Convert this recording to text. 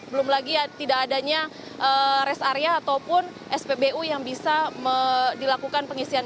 belum lagi tidak adanya rest area ataupun spbu yang bisa dilakukan pengisian